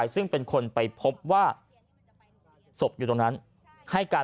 ซึ่งเป็นคนไปพบว่าศพอยู่ตรงนั้นให้การ